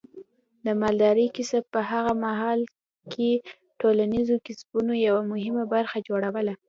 د مالدارۍ کسب په هغه مهال کې د ټولنیزو کسبونو یوه مهمه برخه جوړوله.